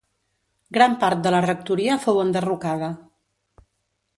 Gran part de la rectoria fou enderrocada.